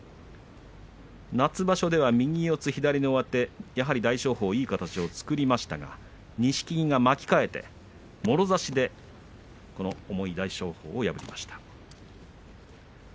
夏場所では右四つ、左上手やはり大翔鵬がいい形を作りましたが、錦木が巻き替えてもろ差しでこの重い大翔鵬を破りました。